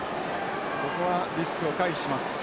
ここはリスクを回避します。